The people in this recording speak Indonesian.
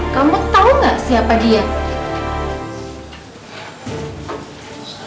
kamu tau gak siapa dia